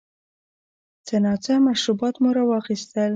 څه ناڅه مشروبات مو را واخیستل.